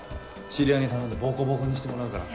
知り合いに頼んでボコボコにしてもらうから。